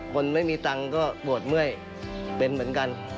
คนไม่มีตังค์ก็ปวดเมื่อยเป็นเหมือนกัน